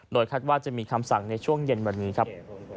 คาดว่าจะมีคำสั่งในช่วงเย็นวันนี้ครับ